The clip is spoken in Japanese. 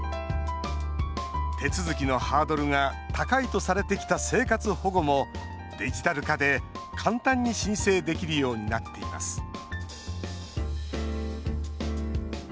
手続きのハードルが高いとされてきた生活保護もデジタル化で簡単に申請できるようになっています